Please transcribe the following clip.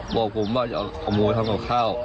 บอกผมว่าจะเอาหมูมาทำกับข้าว